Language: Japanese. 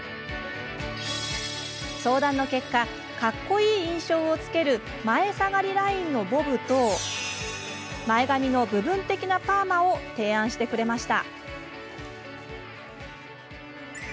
相談の結果かっこいい印象をつける前下がりラインのボブと前髪の部分的なパーマを提案してくれました。